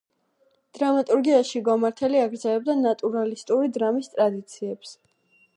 დრამატურგიაში გომართელი აგრძელებდა „ნატურალისტური დრამის“ ტრადიციებს.